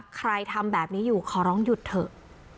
ทำแบบนี้อยู่ขอร้องหยุดเถอะ